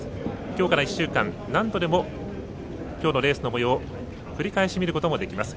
きょうから１週間、何度でもきょうのレースのもようを繰り返し見ることができます。